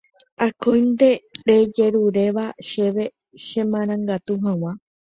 akóinte rejeruréva chéve chemarangatu hag̃ua